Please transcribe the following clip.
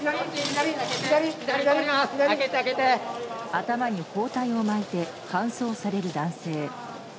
頭に包帯を巻いて搬送される男性。